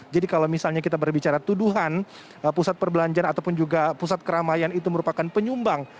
jadi kalau misalnya kita berbicara tuduhan pusat perbelanjaan ataupun juga pusat keramaian itu merupakan penyumbang